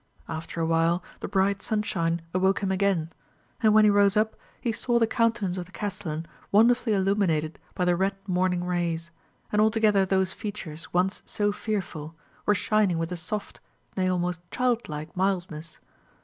After a while the bright sunshine awoke him again; and when he rose up, he saw the countenance of the castellan wonderfully illuminated by the red morning rays; and altogether those features, once so fearful, were shining with a soft, nay almost child like mildness.